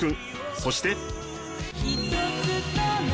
そして。